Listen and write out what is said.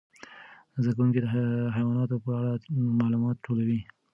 زده کوونکي د حیواناتو په اړه معلومات ټولوي.